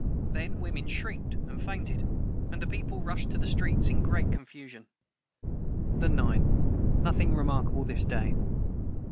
Then women shrieked and fainted, and the people rushed to the streets in great confusion.] the 9. Nothing remarkable this day.